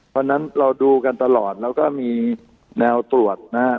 เพราะฉะนั้นเราดูกันตลอดเราก็มีแนวตรวจนะฮะ